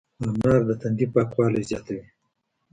انار د تندي پاکوالی زیاتوي.